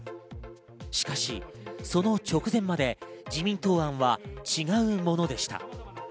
しかし、その直前まで自民党案は違うものでした。